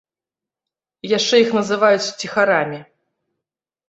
Яшчэ іх называюць ціхарамі.